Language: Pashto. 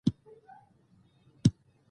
زه له غوسې څخه ځان ساتنه کوم.